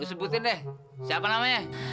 sebutkan siapa namanya